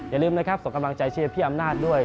อย่าลืมนะครับส่งกำลังใจเชียร์พี่อำนาจด้วย